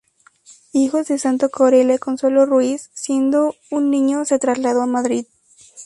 Hijo de Santos Corella y Consuelo Ruiz, siendo un niño se trasladó a Madrid.